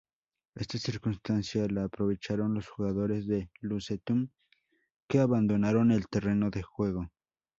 Esta circunstancia la aprovecharon los jugadores del Lucentum que abandonaron el terreno de juego.